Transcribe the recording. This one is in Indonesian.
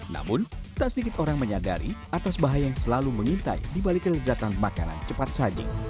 namun tak sedikit orang menyadari atas bahaya yang selalu mengintai dibalik kelezatan makanan cepat saji